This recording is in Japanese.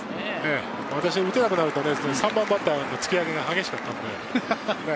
私は打てなくなると、３番バッターの突き上げが激しかったんでね。